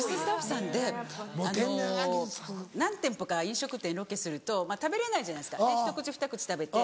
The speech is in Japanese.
何店舗か飲食店ロケすると食べれないじゃないですかひと口ふた口食べて。